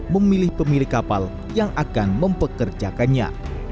memilih pemilik kapal yang akan mempekerjakannya